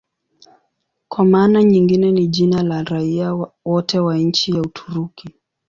Kwa maana nyingine ni jina la raia wote wa nchi ya Uturuki.